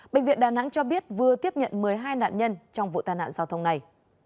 bệnh viện đà nẵng cho biết vừa tiếp nhận một mươi hai nạn nhân trong vụ tai nạn giao thông này